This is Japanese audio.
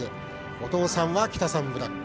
お父さんはキタサンブラック。